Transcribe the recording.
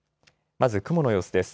まず雲の様子です。